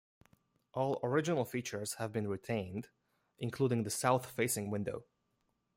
All original features have been retained including the south facing window.